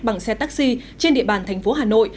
bằng xe taxi trên địa bàn thành phố hà nội